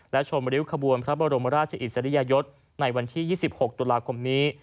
และชมริ้วขบวนพระบรมราชอิสริยยศในวันที่๒๖ตุลาคมนี้